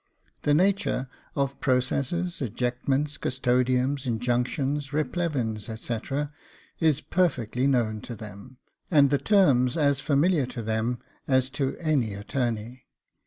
The nature of processes, ejectments, custodiams, injunctions, replevins, etc., is perfectly known to them, and the terms as familiar to them as to any attorney.